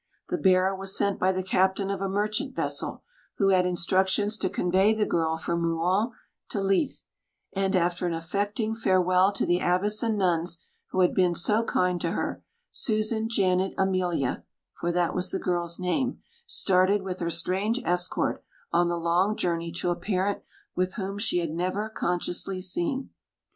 The bearer was sent by the captain of a merchant vessel, who had instructions to convey the girl from Rouen to Leith; and, after an affecting farewell to the abbess and nuns, who had been so kind to her, Susan Janet Emilia (for that was the girl's name) started with her strange escort on the long journey to a parent whom she had never consciously seen.